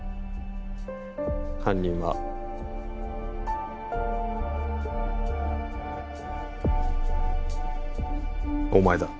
犯人はお前だ